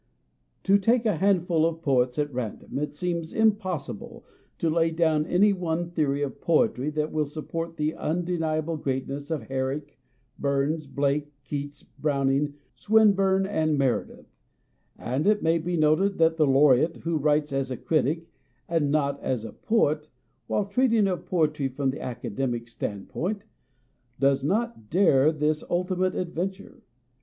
To take a handful of poets at random, it seems impossible to lay down any one theory of poetry that will support the un deniable greatness of Herrick, Burns, Blake, Keats, Browning, Swinburne, and Meredith, and it may be noted that the Laureate who writes as a critic and not as a poet while treating of poetry from the academic standpoint, does not dare this ultimate ad venture.